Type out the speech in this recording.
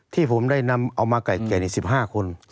ที่ผมได้นำเอามาแก่นี่๑๕คน